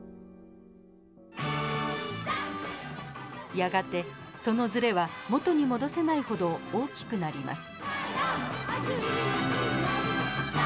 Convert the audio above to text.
やがてそのズレは元に戻せないほど大きくなります。